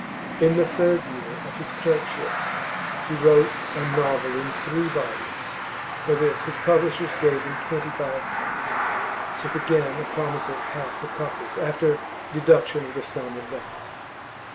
In the third year of his clerkship he wrote a novel in three volumes; for this his publishers gave him twenty five pounds, with again a promise of half the profits after deduction of the sum advanced.